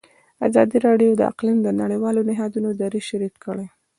ازادي راډیو د اقلیم د نړیوالو نهادونو دریځ شریک کړی.